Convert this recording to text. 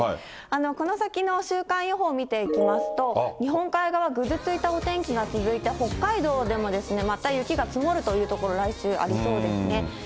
この先の週間予報見ていきますと、日本海側、ぐずついたお天気が続いて、北海道はまた雪が積もるという所、来週ありそうですね。